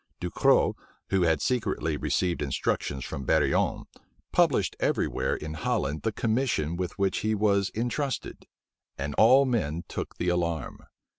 Du Cros, who had secretly received instructions from Barillon, published every where in Holland the commission with which he was intrusted; and all men took the alarm.